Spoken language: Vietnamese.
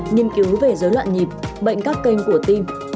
nghiên cứu về dối loạn nhịp bệnh các kênh của tim